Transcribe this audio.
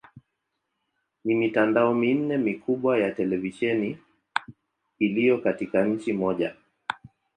Ni mitandao minne mikubwa ya televisheni iliyo katika nchi moja.